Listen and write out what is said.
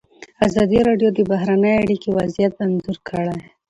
ازادي راډیو د بهرنۍ اړیکې وضعیت انځور کړی.